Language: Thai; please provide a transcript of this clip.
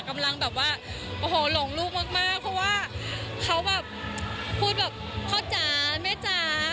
กำลังแบบว่าโอ้โหหลงลูกมากเพราะว่าเขาแบบพูดแบบพ่อจ๋าแม่จ๋า